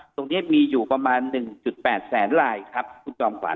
ตรงเนี้ยมีอยู่ประมาณหนึ่งจุดแปดแสนลายครับคุณจอมฝัน